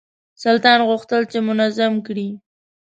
سلطان غوښتل چې منظوم کړي.